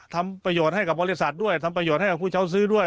ทำประโยชน์ให้กับบริษัทด้วยทำประโยชน์ให้กับผู้เช่าซื้อด้วย